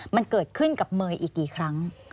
มันเกิดขึ้นกับเมย์อีกกี่ครั้ง